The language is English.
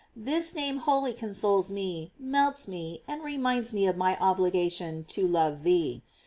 This name wholly consoles me, melts me, and reminds me of my obligation to love thee.